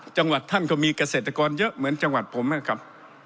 จังหวัดท่านก็มีเกษตรกรเยอะเหมือนจังหวัดผมนะครับ